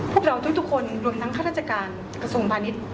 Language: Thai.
พวกเราทุกคนรวมทั้งข้าราชการกระทรวงพาณิชย์